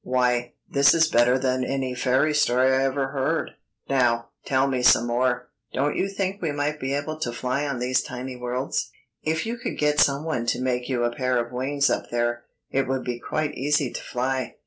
"Why, this is better than any fairy story I ever heard. Now, tell me some more. Don't you think we might be able to fly on these tiny worlds?" "If you could get someone to make you a pair of wings up there, it would be quite easy to fly.